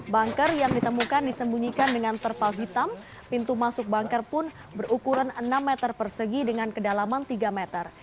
bunker yang ditemukan disembunyikan dengan terpal hitam pintu masuk banker pun berukuran enam meter persegi dengan kedalaman tiga meter